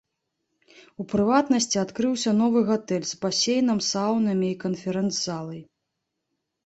У прыватнасці, адкрыўся новы гатэль з басейнам, саунамі, канферэнц-залай.